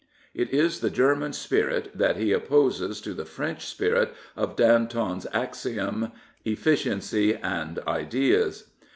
*' It is the German spirit that he opposes to the French spirit of Danton's axiom: efficiency and ideas.